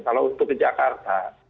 kalau untuk ke jakarta